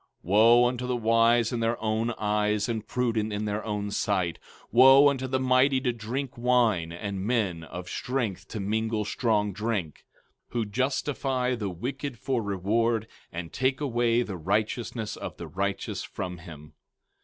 15:21 Wo unto the wise in their own eyes and prudent in their own sight! 15:22 Wo unto the mighty to drink wine, and men of strength to mingle strong drink; 15:23 Who justify the wicked for reward, and take away the righteousness of the righteous from him!